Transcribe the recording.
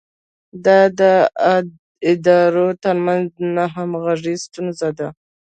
د ادارو ترمنځ نه همغږي ستونزه ده.